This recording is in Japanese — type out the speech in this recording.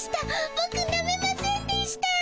ボクなめませんでしたぁ。